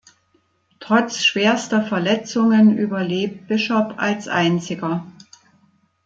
Trotz schwerster Verletzungen überlebt Bishop als einziger.